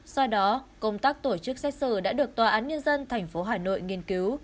do đó công tác tổ chức xét xử đã được tòa án nhân dân tp hà nội nghiên cứu